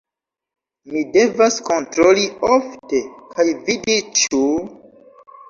Mi devas kontroli ofte kaj vidi ĉu...